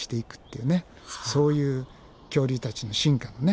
そういう恐竜たちの進化のね。